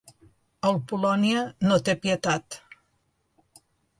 El Polònia no té pietat.